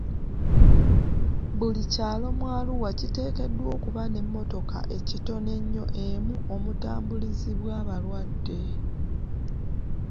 Buli kyalo mu Arua kiteekeddwa okuba n'emmotoka ekitono ennyo emu omutambulizibwa abalwadde.